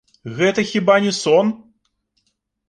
Гэта хіба не сон?